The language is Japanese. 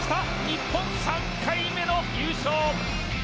日本、３回目の優勝！